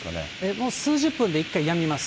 もう数十分で一回やみます。